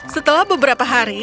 setelah beberapa hari